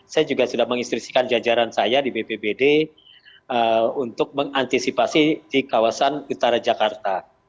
saya juga sudah menginstruksikan jajaran saya di bpbd untuk mengantisipasi di kawasan utara jakarta